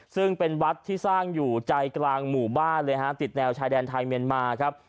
ซึ่งเป็นวัดที่สร้างอยู่ใจกลางหมู่บ้านเลยฮะติดแนวชายแดนไทยเมียนมาครับ